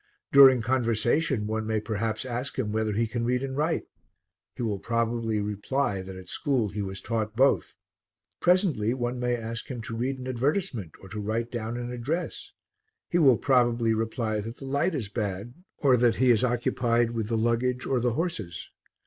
During conversation one may perhaps ask him whether he can read and write; he will probably reply that at school he was taught both. Presently one may ask him to read an advertisement, or to write down an address; he will probably reply that the light is bad, or that he is occupied with the luggage or the horses.